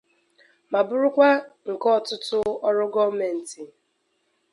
ma bụrụkwa nke ọtụtụ ọrụ gọọmenti